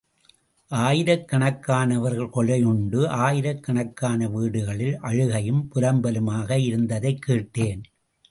ஆயிரக்கணக்கானவர்கள் கொலையுண்டு, ஆயிரக் கணக்கான வீடுகளில் அழுகையும் புலம்பலுமாக இருந்ததைக் கேட்டேன்.